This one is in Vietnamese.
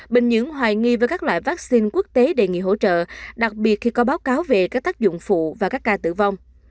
bình nhưỡng hoài nghi với các loại vaccine quốc tế đề nghị hỗ trợ đặc biệt khi có báo cáo về các tác dụng phụ và các ca tử vong